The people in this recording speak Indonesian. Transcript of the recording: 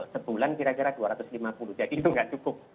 sebulan kira kira dua ratus lima puluh jadi itu nggak cukup